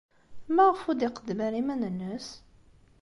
Maɣef ur d-iqeddem ara iman-nnes?